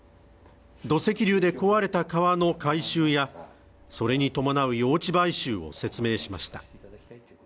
土石流で壊れた川の改修やそれに伴う用地買収を説明しました。